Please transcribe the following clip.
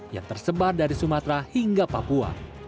yang tersebar dari sumatera hingga papua